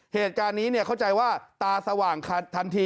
เหตุการณ์นี้เข้าใจว่าตาสว่างทันที